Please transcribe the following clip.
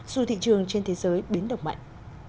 dù thị trường trên thế giới biến động mạnh